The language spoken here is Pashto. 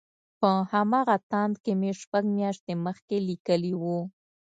په همغه تاند کې مې شپږ مياشتې مخکې ليکلي وو.